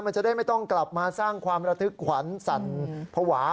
มันจะได้ไม่ต้องกลับมาสร้างความระทึกขวัญสั่นภาวะ